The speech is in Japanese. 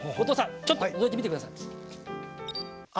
ちょっとのぞいてみて下さい。